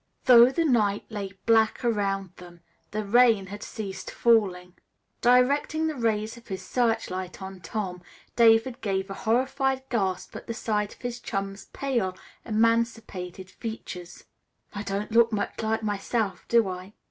Though the night lay black around them, the rain had ceased falling. Directing the rays of his searchlight on Tom, David gave a horrified gasp at the sight of his chum's pale, emaciated features. "I don't look much like myself, do I?"